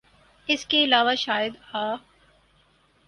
اس کے علاوہ شاید آ